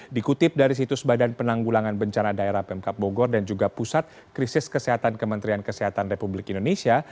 dikutip dari situs badan penanggulangan bencana daerah pmk bogor dan juga pusat krisis kesehatan kementerian kesehatan republik indonesia